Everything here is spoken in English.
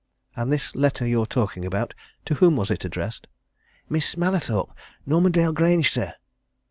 "And this letter you're talking about to whom was it addressed?" "Miss Mallathorpe, Normandale Grange, sir."